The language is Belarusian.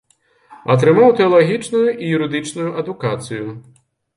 Атрымаў тэалагічную і юрыдычную адукацыю.